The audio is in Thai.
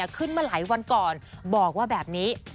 ขึ้นมาหลายวันก่อนบอกว่าแบบนี้